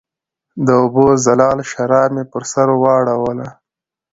د اوبو زلال شراب مې پر سر واړوله